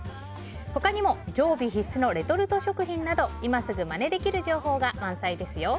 他にも常備必須のレトルト食品など今すぐまねできる情報が満載です。